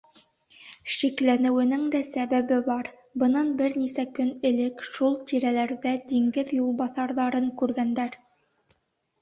Шикләнеүенеңдә сәбәбе бар: бынан бер нисә көн элек шул тирәләрҙә диңгеҙ юлбаҫарҙарын күргәндәр.